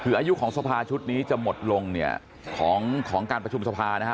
คืออายุของสภาชุดนี้จะหมดลงเนี่ยของการประชุมสภานะฮะ